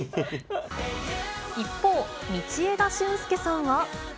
一方、道枝駿佑さんは。